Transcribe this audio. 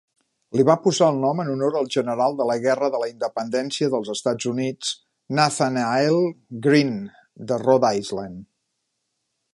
Li van posar el nom en honor del general de la Guerra de la Independència dels Estats Units, Nathanael Greene de Rhode Island.